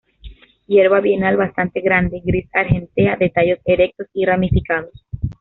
Hierba bienal bastante grande, gris argentea, de tallos erectos y ramificados.